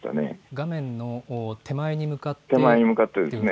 画面の手前に向かってですね？